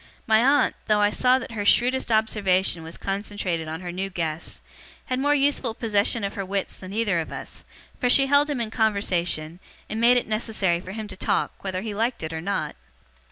My aunt, though I saw that her shrewdest observation was concentrated on her new guest, had more useful possession of her wits than either of us; for she held him in conversation, and made it necessary for him to talk, whether he liked it or not.